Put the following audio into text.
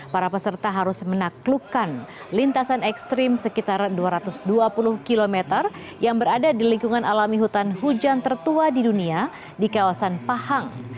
para peserta harus menaklukkan lintasan ekstrim sekitar dua ratus dua puluh km yang berada di lingkungan alami hutan hujan tertua di dunia di kawasan pahang